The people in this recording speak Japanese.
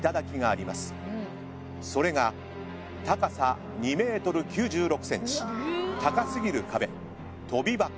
それが高さ２ｍ９６ｃｍ高すぎる壁跳び箱。